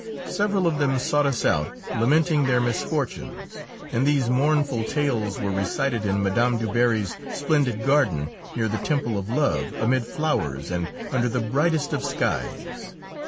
Several of them sought us out, lamenting their misfortunes, and these mournful tales were recited in Mme. Du Barry's splendid garden, near the "Temple of Love," amid flowers and under the brightest of skies!